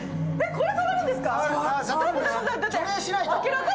これ、触るんですか！？